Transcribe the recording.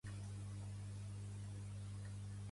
També equipava llandes d'aliatge lleuger, i sostre solar.